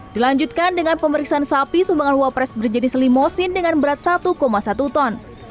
dilanjutkan dengan pemeriksaan sapi sumbangan wapres berjenis limosin dengan berat satu satu ton